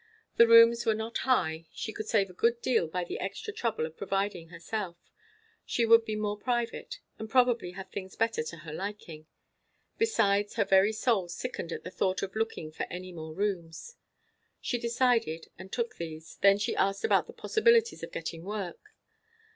The rooms were not high; she could save a good deal by the extra trouble of providing herself; she would be more private, and probably have things better to her liking. Besides, her very soul sickened at the thought of looking for any more rooms. She decided, and took these. Then she asked about the possibilities of getting work.